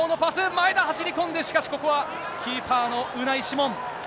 前田、走り込んで、しかし、ここはキーパーのウナイ・シモン。